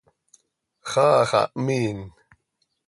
¡Xaa xah mhiin!